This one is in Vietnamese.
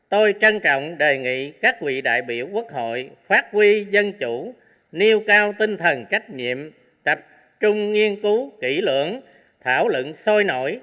tôi trân trọng đề nghị các vị đại biểu quốc hội phát huy dân chủ nêu cao tinh thần trách nhiệm tập trung nghiên cứu kỹ lưỡng thảo luận sôi nổi